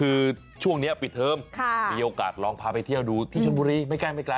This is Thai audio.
คือช่วงนี้ปิดเทิมมีโอกาสลองพาไปเที่ยวดูที่ชนบุรีไม่ใกล้ไม่ไกล